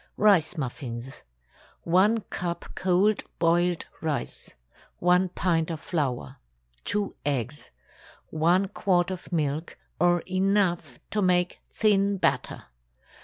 RICE MUFFINS. ✠ 1 cup cold boiled rice. 1 pint of flour. 2 eggs. 1 quart of milk, or enough to make thin batter.